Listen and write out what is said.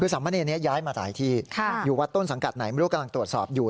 คือสามเณรนี้ย้ายมาหลายที่อยู่วัดต้นสังกัดไหนไม่รู้กำลังตรวจสอบอยู่